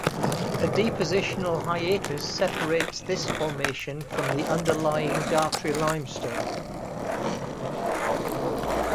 A depositional hiatus separates this formation from the underlying Dartry Limestone.